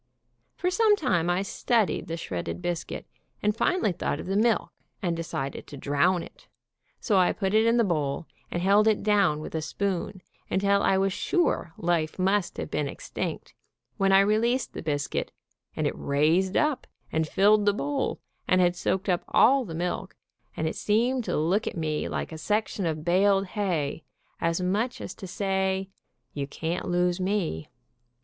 For some time I studied the shredded biscuit, and finally thought of the milk, and decided to drown it, so I put it in the bowl and held it down with a spoon, until I was sure life must have been extinct, when I released the biscuit and it raised up and filled the bowl, and had soaked up all the milk, and it seemed to look up at me like a section of baled hay, as much as to say, "You can't lose me."